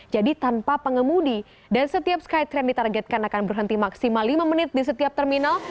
jadi tanpa pengemudi dan setiap skytrain ditargetkan akan berhenti maksimal lima menit di setiap terminal